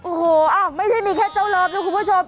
โอ้โหไม่ได้มีแค่เจ้าเลิฟนะคุณผู้ชม